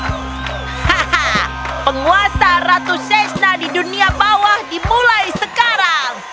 hahaha penguasa ratu sesta di dunia bawah dimulai sekarang